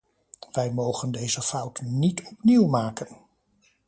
Wij mogen deze fout niet opnieuw maken.